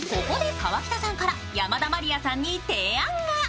ここで河北さんから山田まりやさんに提案が。